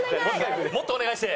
もっとお願いして！